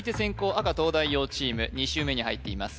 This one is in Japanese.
赤東大王チーム２周目に入っています